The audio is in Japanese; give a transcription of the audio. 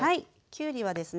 きゅうりはですね